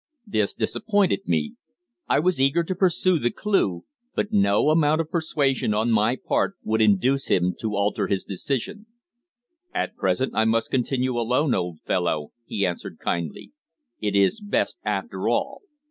This disappointed me. I was eager to pursue the clue, but no amount of persuasion on my part would induce him to alter his decision. "At present I must continue alone, old fellow," he answered kindly. "It is best, after all.